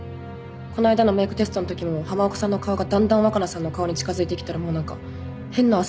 この間のメークテストのときも浜岡さんの顔がだんだん若菜さんの顔に近づいてきたらもう何か変な汗出てきちゃって。